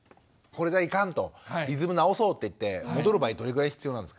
これがいかんとリズム直そうっていって戻る場合どれぐらい必要なんですか？